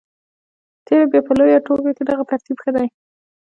په تېره بیا په لویه ټولګه کې دغه ترتیب ښه دی.